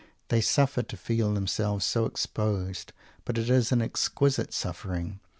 They suffer to feel themselves so exposed, but it is an exquisite suffering.